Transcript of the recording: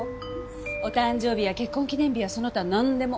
お誕生日や結婚記念日やその他なんでも。